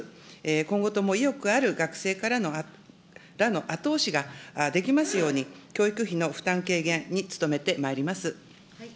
今後とも意欲ある学生らの後押しができますように、教育費の負担軽減に努めてまいります。